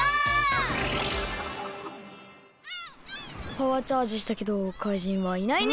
パワーチャージしたけど怪人はいないね。